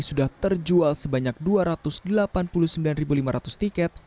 sudah terjual sebanyak dua ratus delapan puluh sembilan lima ratus tiket